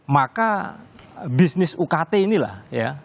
maka bisnis ukt inilah ya